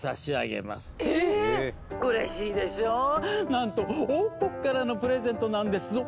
なんと王国からのプレゼントなんですぞ。